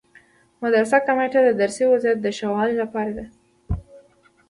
مدرسو کمیټه د درسي وضعیت د ښه والي لپاره ده.